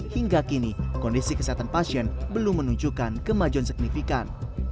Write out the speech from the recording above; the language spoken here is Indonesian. hingga kini kondisi kesehatan pasien belum menunjukkan kemajuan signifikan